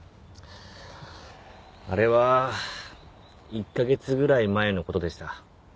あれは１カ月ぐらい前の事でした。